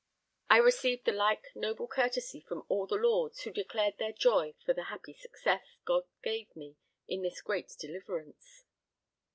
I received the like noble courtesy from all the lords, who declared their joy for the happy success God gave me in this great deliverance.